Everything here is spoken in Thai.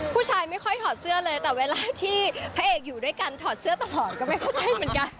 ผู้ชายไม่ค่อยถอดเสื้อเลยแต่เวลาที่พระเอกอยู่ด้วยกันถอดเสื้อต่อหอนก็ไม่เข้าใจเหมือนกัน